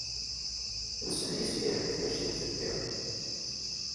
Nsell i zzhir n tmacint deg yiḍ.